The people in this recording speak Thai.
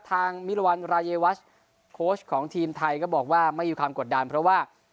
มิรวรรณรายวัชโค้ชของทีมไทยก็บอกว่าไม่มีความกดดันเพราะว่า